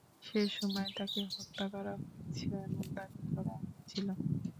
সেসময় তাকে হত্যা করা হয়েছে এমন দাবি করা হয়েছিল।